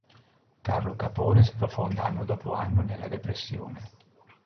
Carlo Capone sprofonda anno dopo anno nella depressione.